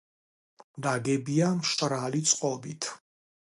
ნაგებია მშრალი წყობით.